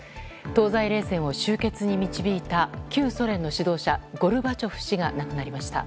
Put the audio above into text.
東西冷戦を終結に導いた旧ソ連の指導者ゴルバチョフ氏が亡くなりました。